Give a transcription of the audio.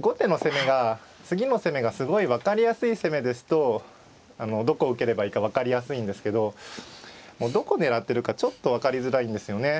後手の攻めが次の攻めがすごい分かりやすい攻めですとどこ受ければいいか分かりやすいんですけどもうどこ狙ってるかちょっと分かりづらいんですよね。